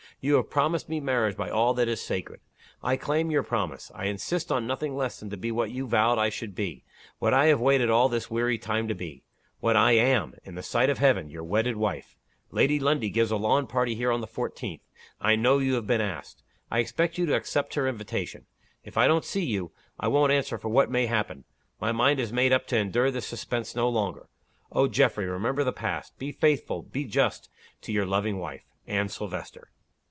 You have promised me marriage by all that is sacred. I claim your promise. I insist on nothing less than to be what you vowed I should be what I have waited all this weary time to be what I am, in the sight of Heaven, your wedded wife. Lady Lundie gives a lawn party here on the 14th. I know you have been asked. I expect you to accept her invitation. If I don't see you, I won't answer for what may happen. My mind is made up to endure this suspense no longer. Oh, Geoffrey, remember the past! Be faithful be just to your loving wife, "ANNE SILVESTER."